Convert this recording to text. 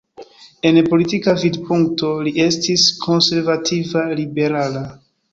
En politika vidpunkto li estis konservativa-liberala.